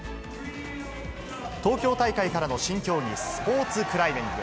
東京大会からの新競技、スポーツクライミング。